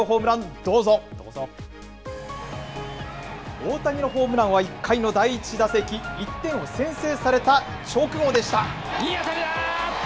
大谷のホームランは１回の第１打席、１点を先制された直後でいい当たりだ！